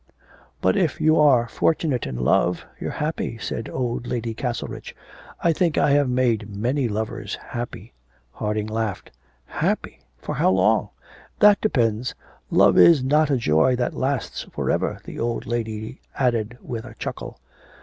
'But if you are fortunate in love, you're happy,' said old Lady Castlerich, 'I think I have made my lovers happy.' Harding laughed. 'Happy! for how long?' 'That depends. Love is not a joy that lasts for ever,' the old lady added with a chuckle.